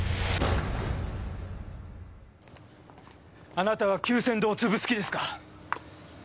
あなたは久泉堂を潰す気ですか？